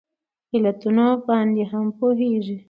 علتونو باندې هم پوهیږي